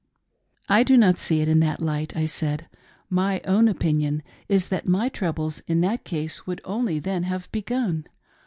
" I do not see it in that light," I said. " My own opinion is that my troubles in that case would only then have begun.